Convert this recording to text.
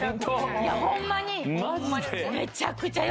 いやホンマに。